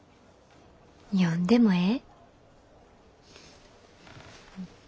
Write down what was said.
読んでもええ？